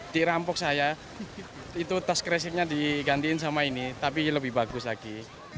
dirampok saya itu tas kreseknya digantiin sama ini tapi lebih bagus lagi